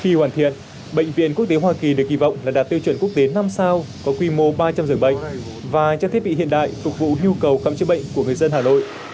khi hoàn thiện bệnh viện quốc tế hoa kỳ được kỳ vọng là đạt tiêu chuẩn quốc tế năm sao có quy mô ba trăm linh giường bệnh và trang thiết bị hiện đại phục vụ nhu cầu khám chữa bệnh của người dân hà nội